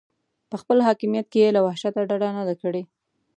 په خپل حاکمیت کې یې له وحشته ډډه نه ده کړې.